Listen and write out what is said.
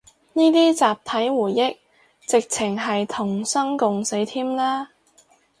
呢啲集體回憶，直程係同生共死添啦